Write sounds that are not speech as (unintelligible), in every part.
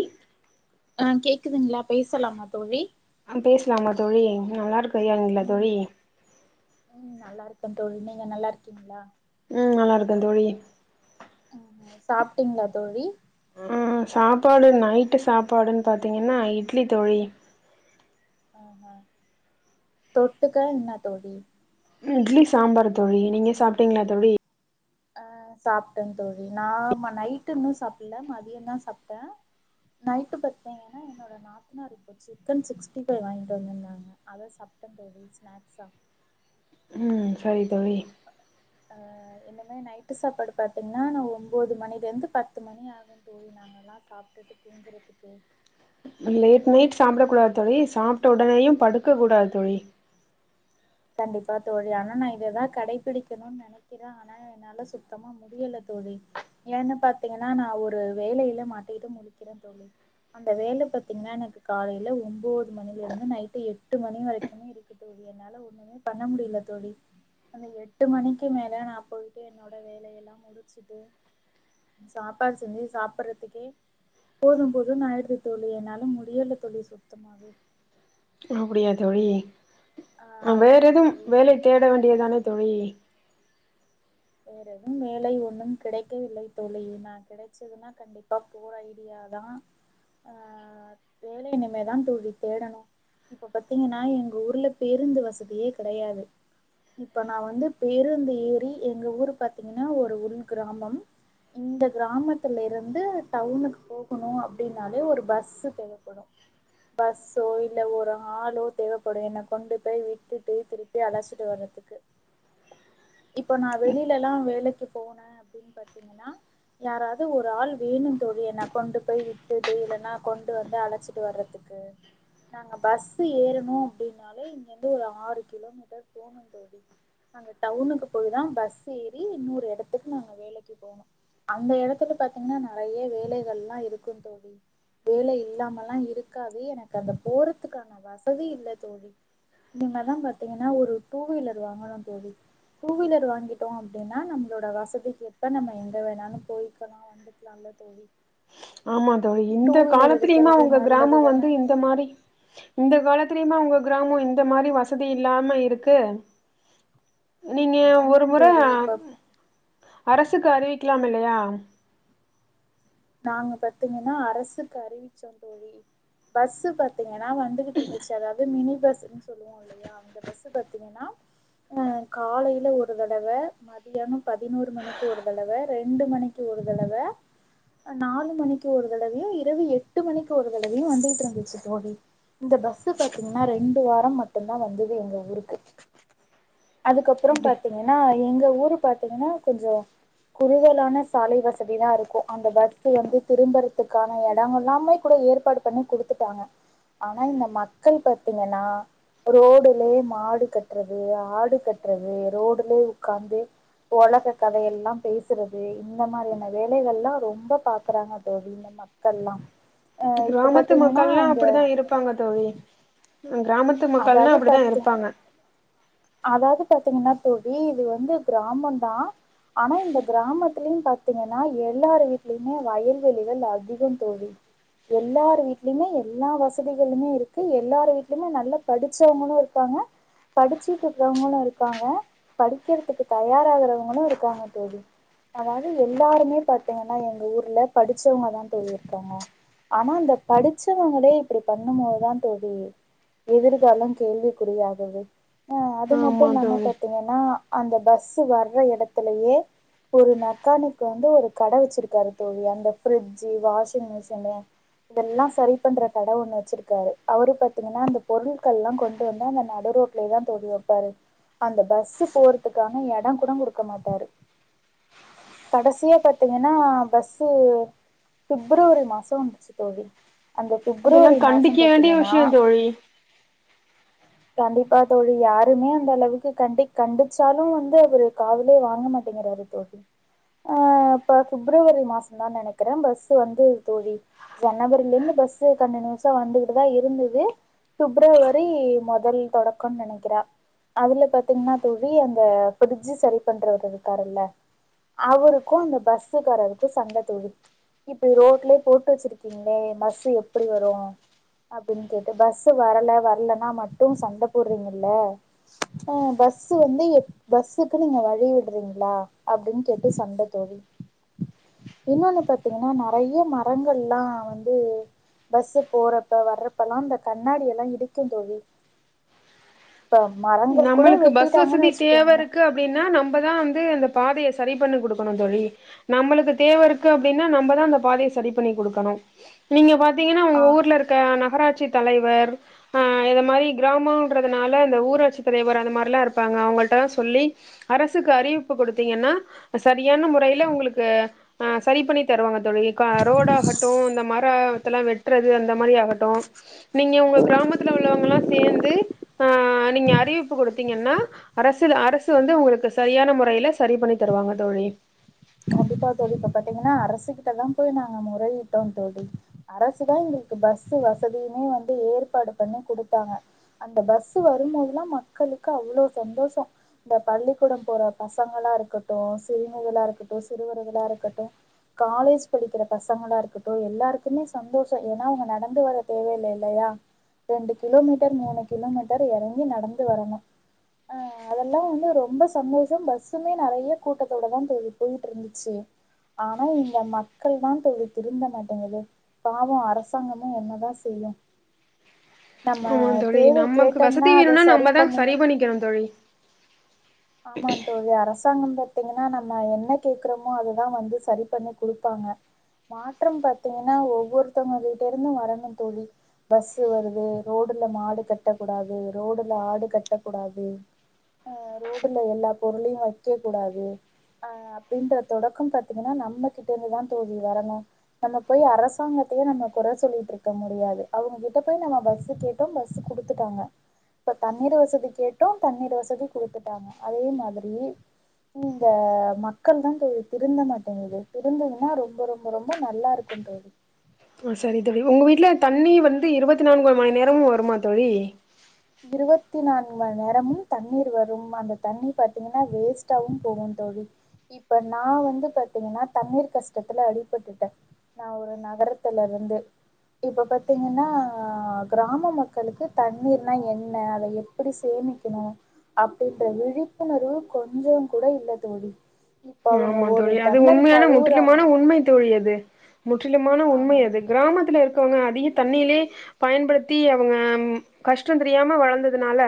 இ அஹ் கேக்குதுங்களா பேசலாமா தோழி பேசலாமா தோழி நல்லா இருக்கயால்ல ம் தொழி ம் நல்லா இருக்க தோழி நீங்க நல்லா இருக்கீங்களா உம் நல்லா இருக்கேன் தோழி ஹஹ சாப்பிட்டீங்ளா தோழி ஆ சாப்பாடு நைட்டு சாப்பாடுன்னு பார்த்திங்கன்னா இட்லி தோழி ஆஹ் தொட்டுக்க என்ன தோழி இட்லி சாம்பார் தோழி நீங்க சாப்பிட்டீங்களா தோழி அஹ் சாப்பிட்டேன்னு தோழி நான் நைட்டு இன்னும் சாப்பிடல மதியம் தான் சாப்பிட்டேன் நைட்டு பா்த்தீங்கன்னா என்னோட நாத்தனா இப்போ சிக்கன் சிக்ஸ்டிபை வாங்கிட்டு வந்திருந்தாங்க அதை சாப்பிட்டேன் தோழி ஸ்நாக்ஸா ம் சரி தோழி அஹ் என்னமே நைட்டு சாப்பாடு பாத்தீங்கன்னா ஒன்பது மணில இருந்து பத்து மணி ஆகும்னு தோழி நாங்கல்லாம் சாப்பிட்டுட்டு தூங்குறதுக்கு லேட் நைட் சாப்பிட கூடாது தோழி சாப்பிட்ட உடனேயும் படுக்க கூடாது தோழி கண்டிப்பா தோழி ஆனா நான் இதைதான் கடைபிடிக்கணும்னு நினைக்கிறேன் ஆனா என்னால சுத்தமா முடியலை தோழி ஏன்னு பாரத்தீங்கன்னா நான் ஒரு வேலையில மாட்டிக்கிட்டு முழிக்கிறேன் தோழி அந்த வேலை பாத்தீங்கன்னா எனக்கு காலையில ஒன்பது மணில இருந்து நைட்டு எட்டு மணி வரைக்குமே இருக்கு தோழி என்னால ம பண்ண முடியல தோழி அந்த எட்டு மணிக்கு மேல நான் போயிட்டு என்னோட வேலைய எல்லாம் முடிச்சுட்டு சாப்பாடு செஞ்சு சாப்பிடுறதுக்கே போதும் போதும் நாடுது தோழி என்னாலும் முடியல தோழி சுத்தமாவே அப்படியா தோழி ஆ வேற ஆமா எதும் தோழி நா வேலை தேட வேண்டியதான தோழி வேற எதுவும் வேலை ஒன்னும் கிடைக்கவில்லை தோழி நான் கிடைச்சதுன்னா கண்டிப்பா போற ஐடியாதான் ஆஹ் வேலைனிமைதான் தோழி தேடணும் இப்ப பத்தீங்கன்னா எங்க ஊர்ல பேருந்து வசதியே கிடையாது இப்ப நான் வந்து பேருந்து ஏறி எங்க ஊரு பாத்தீங்கன்னா ஒரு உள் கிராமம் இந்த கிராமத்துல இருந்து டவுனுக்கு போகணும் அப்படின்னாலே ஒரு பஸ் தேவைப்படும் பஸ்ஸோ இல்ல ஒரு ஆலோ தேவைப்படும் என்னை கொண்டு போய் விட்டுட்டு திருப்பி அழைச்சிட்டு வர்துக்கு இப்போ நான் வெளியிலல்லாம் வேலைக்கு போனேன் அப்படின்னு பாார்த்தீங்கன்னா யாராவது ஒரு ஆள் வேணும் தோழி என்ன கொண்டு போய் விட்டுட்டு இல்லைன்னா கொண்டு வந்து அழைச்சிட்டு வர்றதுக்கு நாங்க பஸ் ஏறணும் அப்படின்னாலே இங்கிருந்து ஒரு ஆறு கிலோமீட்டர் போகணும் தோழி நாங்க டவுனுக்கு இப்பயதான் பஸ் ஏறி இன்னொரு இடத்துக்கு நாங்க வேலைக்கு போனோம் அந்த இடத்துல பாத்தீங்கன்னா நிறைய வேலைகள் எல்லாம் இருக்குன்னு தோழி வேலை இல்லாம எல்லாம் இருக்காது எனக்கு அந்த போறதுக்கான வசதி இல்லை தோழி இனிமதான் பாத்தீங்கன்னா ஒரு டூ வீலர் வாங்கணும் தோழி டூ வீலர் வாங்கிட்டோம் அப்படின்னா நம்மளோட வசதிக்கு எப்போ நம்ம எங்க வேணாலும் போய்க்கணும் வந்துக்கலாம்ல தோழி ஆமா தோழி டூ இந்த வீலர் காலத்திலயுமா இருக்கறது உங்க நல்லது கிராமம் தான வந்து இந்த மாரி இந்த காலத் தெரியமா உங்க கிராமம் இந்த மாதிரி வசதி இல்லாம இருக்கு நீங்க ஆமா ஒரு முறை தோழி இப்ப அரசுக்கு அறிவிக்கலாம் இல்லையா ம் நாங்க பாத்தீங்கன்னா அரசுக்கு அறிவிச்சோம் தோழி பஸ் பாத்தீங்க ஏன்னா வந்துகிட்டு இருந்துச்சு அதாவது மினி பஸ்ன்னு சொல்லுவோம் இல்லையா அ பஸ்சு பாத்தீங்கன்னா அஹ் காலையில ஒரு தடவ மதியானம் பதினோரு மணிக்கு ஒரு தடவ ரெண்டு மணிக்கு ஒரு தடவ நாலு மணிக்கு ஒரு தடவையும் இரவு எட்டு மணிக்கு ஒரு தடவையும் வந்துகிட்டு இருந்துச்சு தோழி இந்த பஸ்சு பாத்தீங்கன்னா ரெண்டு வாரம் மட்டும்தான் வந்தது எங்க ஊருக்கு அதுக்கப்புறம் அப்டி பாத்தீங்கன்னா எங்க ஊரு பாத்தீங்கன்னா கொஞ்சம் குறுகலான சாலை வசதி தான் இருக்கும் அந்த பஸ் வந்து திரும்பறதுக்கான இடம் எல்லாமே கூட ஏற்பாடு பண்ணி குடுத்துட்டாங்க ஆனா இந்த மக்கள் பாத்தீங்கன்னா ரோடுலயே மாடு கட்டுறது ஆடு கட்டுறது ரோடுலயே உட்காந்து உலக கதையெல்லாம் பேசுறது இந்த மாதிரியான வேலைகள்ல்லாம் ரொம்ப பாக்குறாங்க தோழி இந்த மக்கள்லாம் கிராமத்து மக்கள்ல்லாம் அப்படிதான் இருப்பாங்க தோழி கிராமத்து மக்கள்னா அதாவது அப்படிதான் பாத்தீ இருப்பாங்க அதாவது பாத்தீங்கன்னா தோழி இது வந்து கிராமம்தான் ஆனா இந்த கிராமத்துலையும் பாாரத்தீங்கன்னா எல்லா வீடலயுமே வயல்வெளிகள் அதிகம் தோழி எல்லார் வீட்லயுமே எல்லா வசதிகளுமே இருக்கு எல்லார் வீடலயுமே நல்ல படிச்சவங்களும் இருக்காங்க படிச்சுட்டு இருக்கறவங்களும் இருக்காங்க படிக்கிறதுக்கு தயாராகறவங்களும் இருக்காங்க தோழி அதாவது எல்லாருமே பாத்தீங்கன்னா எங்க ஊர்ல படிச்சவங்கதான் தோழி இருக்காங்க ஆனா அந்த படிச்சவங்களே இப்படி பண்ணும் போதுதான் தோழி எதிர்காலம் கேள்விக்குறியாகது ஆஹ அது ஆமா மட்டும் இல்லாமல் தோழி பார்த்திங்கன்னா அந்த பஸ்ஸு வர்ற இடத்துலயே ஒரு மெக்கானிக் வந்து ஒரு கடை வச்சிருக்காரு தோழி அந்த ஃப்ரிட்ஜு வாஷிங் மிஷின் இதெல்லாம் சரி பண்ற கடை ஒன்னு வச்சிருக்காரு அவரு பாத்தீங்கன்னா அந்த பொருட்கல்லாம் கொண்டு வந்தா அந்த நடு ரோட்லதான் தோழி வைப்பாரு அந்த பஸ்ஸு போறதுக்கான எடம் கூட குடுக்க மாட்டாரு கடைசியா பாத்தீங்கன்னா பஸ்ஸு பிப்ரவரி மாசம் வந்துச்சி தோழி அந்த இதெல்லாம் பிப்ரவரி மாசோ கண்டிக்க வேண்டிய பாத்தீங்கன்னா விஷயம் தோழி கண்டிப்பா தோழி யாருமே அந்த அளவுக்கு கண்டி கண்டிச்சாலும் வந்து அவரு காதுலயே வாங்க மாட்டேங்கிறாரு தோழி ஆஹ் இப்ப பிப்ரவரி மாசம் தான் நினைக்கிறேன் பஸ் வந்து தோழி ஜனவரியில இருந்து பஸ்சு கண்டினியூஸா வந்துகிட்டுதான் இருந்தது பிப்ரவரி முதல் தொடக்கம்னு நினைக்கிறே அதுல பாத்தீங்கன்னா தோழி அந்த பிரிட்ஜ் சரி பண்றவ இருக்காரு இல்ல அவருக்கும் அந்த பஸ்ஸுக்காரருக்கும் சண்ட தோழி இப்படி ரோட்ல போட்டு வச்சிருக்கீங்களே பஸ் எப்படி வரும் அப்படின்னு கேட்டு பஸ் ஸ்சு வரல வரலன்னா மட்டும் சண்ட போடுறீங்கல்ல அஹ் பஸ் வந்து எப் பஸ்ஸுக்கு நீங்க வழி விடுறீங்களா அப்டின்னு கேட்டு சண்ட தோழி இன்னொன்னு பாத்தீங்கன்னா நிறைய மரங்கல்லாம் வந்து பஸ்சு போறப்ப வர்றப்பல்லாம் இந்த கண்ணாடி எல்லாம் இடிக்கும் தோழி இப்ப மரங்கள் கூட நம்மளுக்கு பஸ் வெட்டிட்டாங்கன்னு வசதி தேவ வச்சுக்கோங்களே இருக்கு அப்டின்னா நம்மதான் வந்து அந்த பாதைய ச சரி பண்ணி குடுக்கணும் தோழி நம்மளுக்கு தேவை இருக்கு அப்படின்னா நம்மதான் அந்த பாதையை சரி பண்ணி குடுக்கணும் நீங்க பாத் (unintelligible) ஆ உங்க ஊர்ல இருக்க நகராட் ட்சி தலைவர் ஆஹ் இந்த மாரி கிராமம்ன்றதுனால இந்த ஊராட்சி தலைவர் அந்த மாதிரல்லாம் இருப்பாங்க அவங்கள்ட சொல்லி அரசுக்கு அறிவிப்பு கொடுத்தீங்கன்னா சரியான முறையில உங்களுக்கு அஹ் சரி பண்ணி தருவாங்க (unintelligible) ரோட ஆகட்டும் இந்த மர இதெல்லாம் வெட்றது அந்த மாரி ஆகட்டும் நீங்க உங்க கிராமத்தில உள்ளவங்கல்லாம் சேர்ந்து ஹ நீங்க அறிவு கொடுத்தீங்கன்னா அரசு அரசு வந்து உங்களுக்கு சரியான முறைல சரி பண்ணி தருவாங்க தோழி கண்டிப்பா தோழி இப்ப பாத்தீங்கன்னா அரசுகிட்டதான் போய் நாங்க முறையிட்டோம் தோழி அரசுதான் எங்களுக்கு பஸ் வசதியுமே வந்து ஏற்பாடு பண்ணி குடுத்தாங்க அந்த பஸ் வரும்போதுல்லாம் மக்களுக்கு அவ்ளோ சந்தோஷம் இந்த பள்ளிக்கூடம் போற பசங்களா இருக்கட்டும் சிறுமிகளா இருக்கட் (unintelligible) சிறுவர்களா இருக்கட்டும் காலேஜ் படிக்கிற பசங்களா இருக்கட்டும் எல்லாருக்குமே சந்தோஷம் ஏன்னா அவங்க நடந்து வர தேவ இல்ல இல்லையா ரெண்டு கிலோமீட்டர் மூணு கிலோமீட்டர் இறங்கி நடந்து வரணும் ஆஹ் அதெல்லாம் வந்து ரொம்ப சந்தோஷம் பஸ்ஸுமே நறைய கூட்டத்தோட தான் போகுது போயிட்டு இருந்துச்சு ஆனா இந்த மக்கள் தான் தோழி திருந்த மாட்டேங்குது பாவம் அரசாங்கமும் என்னதான் செய்யும் ஆமான் தோழி நமக்கு வசதி அத இருந்தா நம்மதான் பண்ணி சரி பண்ணிக்கணும் தோழி ஆமா தோழி அரசாங்கம் பார்த்தீங்கன்னா நம்ம என்ன கேக்குறோமோ அததான் வந்து சரி பண்ணி குடுப்பாங்க மாற்றம் பாத்தீங்கன்னா ஒவ்வொருத்தவங்கிட்ட இருந்தும் வரணும் தோழி பஸ் வருது ரோடுல மாடு கட்டக்கூடாது ரோடுல ஆடு கட்டக்கூடாது ஆஹ் ரோட் (unintelligible) எல்லா பொருளையும் வைக்க கூடாது அஹ் அப்டின்ற தொடக்கம் பாத்தீங்கன்னா நம்மகிட்ட இருந்துதான் தோழி வரணும் நம்ம போய் அரசாங்கத்தையே நம்ம குற சொல்லிட்ருக்க முடியாது அவங்ககிட்ட போய் நம்ம பஸ்சு கேட்டோம் பஸ்சு குடுத்துட்டாங்க இப்ப தண்ணீர் வசதி கேட்டோம் தண்ணீர் வசதி குடுத்துட் (unintelligible) அதே மாதிரி இந்த மக்கள் தான் தோழி திருந்த மாட்டேங்குது திருந்துதுன்னா ரொம்ப ரொம்ப ரொம்ப நல்லா இருக்கும் தோழி ஓ சரி தோழி உங்க வீட்டுல தண்ணி வந்து இருபத்தி நான்கு மணி நேரமும் வருமா தோழி இருபத்தி நான்கு மணி நேரமும் தண்ணீர் வரும் அந்த தண்ணி பாத்தீங்கன்னா வேஸ்டாவும் போவும் தோழி இப்ப நான் வந்து பாத்தீங்கன்னா தண்ணீர் கஷ்டத்துல அடிபட்டுட்டேன் நான் ஒரு நகரத்துல இருந்து இப்ப பாத்தீங்கன்னா ஆஹ் கிராம மக்களுக்கு தண்ணீர் என்ன அத எப்டி சேமிக்கணும் அப்படின்ற விழிப்புணர்வு கொஞ்சம் கூட இல்ல தோழி இப்ப அவங்க ஆனான் ஒரு தோழி அது டம்ளர் உண்மையான கழுவுறாங்க முற்றிலுமான உண்மை தோழி அது முற்றிலுமான உண்மை ஆமா அது கிராமத்துல இருக் அவங்க அதிக தண்ணிலே பயன்படுத் பத்தி அவங்க கஷ்டம் தெரியாம வளர்ந்ததுனால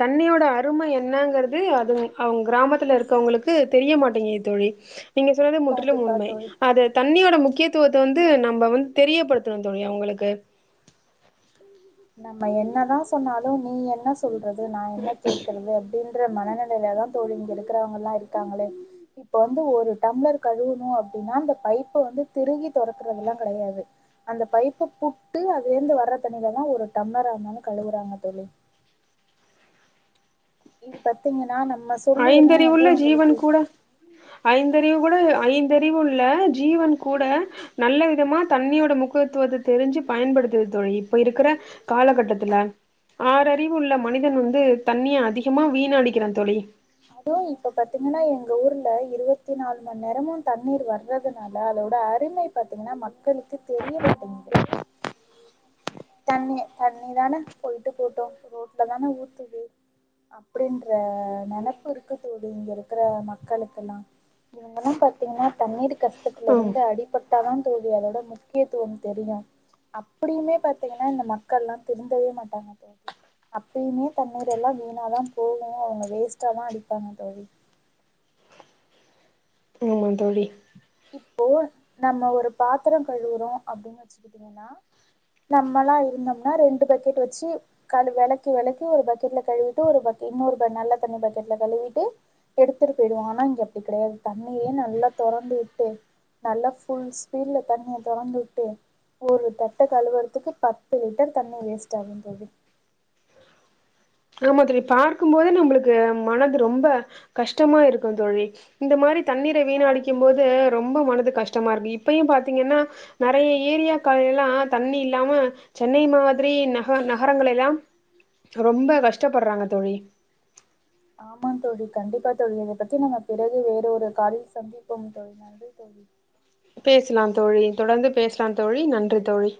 தண்ணியோட அருமை என்னங்கிறது அது அவங்க கிராமத்தில இருக்கவங்களுக்கு தெரிய மாட் (unintelligible) தோழி நீங்க சொன்னறது முற்றிலும் கண்டிப்பா உண்மை தோழி அது தண்ணியோட மு முக்கியத்துவத்தை வந்து நம்ம வந்து தெரியப்படுத்தணும் தோழி அவங்களுக்கு நம்ம என்னதான் சொன்னாலும் நீ என்ன ஸ் சொல்றது நான் என்ன கேட்கறது அப் அப்படின்ற மனநிலையில தான் தோழி இங்க இருக்றவங்கல்லாம் இருக்காங்களே இப்ப வந்து ஒரு டம்ளர் கழுவணும் அப்டின்னா அந்த பைப்பை வந்து திருகி தொறக்குறது எல்லாம் கிடையாது அந்த பைப்பை புட்டு அதுலந்து வர்ற தண்ணில (unintelligible) ஒரு டம்ளர் ஆனாலும் கழுவுறாங்க தோழி இது பாத்தீங்கன்னா நம் ஐந்தறிவுள்ள ஜீவன் கூட ஐந்தறிவு கூட ஐந்தறிவு உள்ள ஜீ ஜீவன் கூட நல்ல விதமா தண்ணியோட முக்கியத்துவத்த தெரிஞ்சு பயன்படுத்துது தோழி இப்ப இருக்குற காலகட்டத்துல ஆற அறிவு உள்ள மனிதன் வந்து தண்ணிய அதிகமா வீணடிக்கிறா தோழி அதுவு இப்ப பாத்தீங்கன்னா எங்க ஊர்ல இருபத்தி நாலு மணி நேரமு தண்ணீர் வர்றதுனால அதோட அருமை பாத்தீங்கன்னா மக்களுக்கு தெரிய மாட்டேங்து தண்ணி தண்ணிதான போயிட்டு போகுட்டு ரோட்லதான ஊத்துது அப்டின்ற நெனப்பு இருக்கு தோழி இங்க இருக்குற மக்களுக்கெல்லா இவங்கல்லா பாத்தீங்கன்னா தண்ணீ ஆ கஷ்டத்திலிருந்து அடிப்பட் ப்பதா தோழி அதோட முக்கியத்துவம் தெரியும் அப்படியுமே பாத் பாத்தீங்கன்னா இந்த மக்கள்லா திருந்தவே மாட்டாங்க தோழி அப்பயுமே தண்ணீர் எல்லா வீணாதா போகு அவங்க வேஸ்டாதா அடிப்பாங்க தோழி ஆமாந் தோழி இப்போ நம்ம ஒரு பாத்ரோ கழுவுறோ அப்டின்னு வச்சுக்கிட்டீங்கன்னா நம்மளா இருந்தோம்னா ரெண்டு பக்கெட் வச்சு கழு வெளக்கி வெளக்கி ஒரு பக்கெட்ல கழுவிட்டு ஒரு பக்கெ இன்னொரு ப நல்ல தண்ணி பக்கெட்ல கழுவிட்டு எடுத்துட்டு போயிடுவோ ஆனா இங்க அப்டி கெடையாது தண்ணிய நல்லா தொறந்து விட் ட்டு நல்ல ஃபுல் ஸ்பீட்ல தண்ணிய தொறந்துவிட்டு ஒரு தட்ட கழுவுறதுக்கு பத்து லிட்டர் தண்ணி வேஸ்ட் ஆகு தோழி ஆமா தோழி பார்க்கும் போதே நம்மளுக்கு மனது ரொம்ப கஷ்டமா இருக்குந் தோழி இந்த மாரி தண்ணீரை ஆம் வீணடிக்கும் போது ரொம்ப மனது கஷ் கஷ்டமா இருக்கு இப்பயு பாத்தீங்கன்னா நெறைய ஏரியாக்கள்லா தண்ணி இல்லாம சென்னை மாதிரி நக நகரங்கள எல்லா ரொம்ப கஷ்டப்படறாங்க தோழி ஆமாந் தோழி கண்டிப்பா தோழி இதப் பத்தி நம்ம பிறகு வேறு ஒரு காலில் சந்திப்போம் தோழி நன்றி தோழி பேசலாம் தோழி தொடர்ந்து பேசலாம் தோழி நன்றி தோழி